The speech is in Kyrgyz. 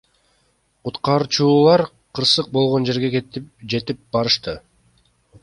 Куткаруучулар кырсык болгон жерге жетип барышты.